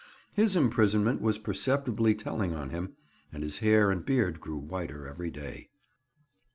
His imprisonment was perceptibly telling on him, and his hair and beard grew whiter every day.